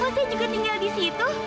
ya mas saya juga tinggal di situ